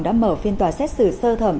đã mở phiên tòa xét xử sơ thẩm